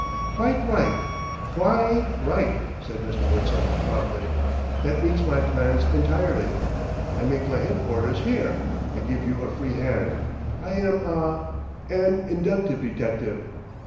"Quite right! Quite right!" said Mr. Witzel promptly. "That meets my plans entirely. I make my headquarters here, I give you a free hand. I am a an inductive detective."